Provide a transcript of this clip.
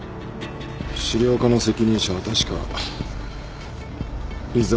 資料課の責任者は確か井沢範人。